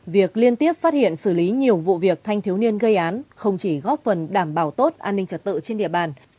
việc liên tiếp phát hiện xử lý nhiều vụ việc thanh thiếu niên gây án không chỉ góp phần đảm bảo tốt an ninh trật tự trên địa bàn